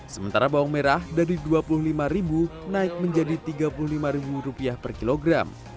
sementara bawang merah dari dua puluh lima ribu naik menjadi tiga puluh lima ribu rupiah per kilogram